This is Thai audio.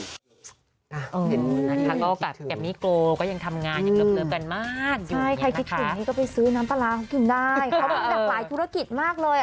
ถ้าเกิดแบบนี้โกลก็ยังทำงานยังเริ่มเริ่มกันมากใช่ใครคิดขึ้นก็ไปซื้อน้ำตลาดกินได้เขาบอกว่ามีหลักหลายธุรกิจมากเลยอ่ะ